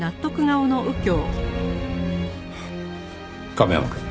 亀山くん。